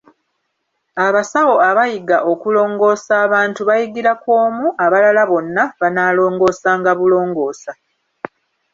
Abasawo abayiga okulongoosa abantu bayigira ku omu, abalala bonna banaalongoosanga bulongoosa.